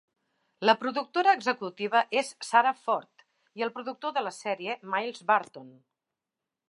La productora executiva és Sara Ford, i el productor de la sèrie Miles Barton.